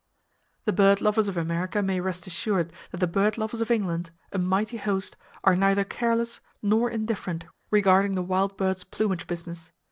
The bird lovers of America may rest assured that the bird lovers of England—a mighty host—are neither careless nor indifferent regarding the wild birds' plumage business.